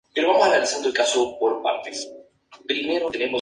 En esta ciudad se destaca el equipo Balsas Esporte Clube.